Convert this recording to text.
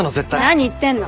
何言ってんの。